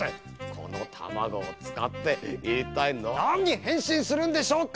この卵を使って一体何に変身するんでしょうか。